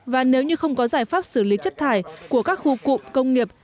và nếu như không có giải pháp xử lý chất thải của các khu cụm công nghiệp